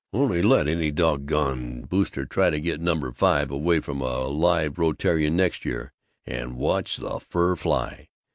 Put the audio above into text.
Only let any doggone Booster try to get Number 5 away from a live Rotarian next year, and watch the fur fly!